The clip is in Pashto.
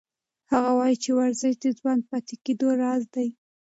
هغه وایي چې ورزش د ځوان پاتې کېدو راز دی.